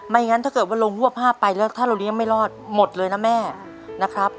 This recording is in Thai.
งั้นถ้าเกิดว่าลงหัวภาพไปแล้วถ้าเราเลี้ยงไม่รอดหมดเลยนะแม่นะครับ